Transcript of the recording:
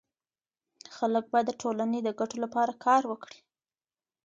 خلګ باید د ټولني د ګټو لپاره کار وکړي.